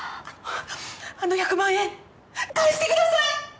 あの１００万円返してください！